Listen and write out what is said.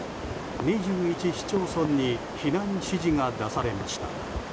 市町村に避難指示が出されました。